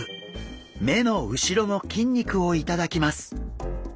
目の後ろの筋肉を頂きます。